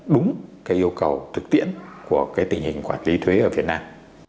đáp ứng đúng cái yêu cầu thực tiễn của cái tình hình quản lý thuế ở việt nam